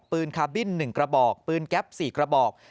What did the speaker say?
คาร์บิน๑กระบอกปืนแก๊ป๔กระบอก